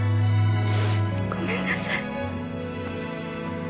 ごめんなさい。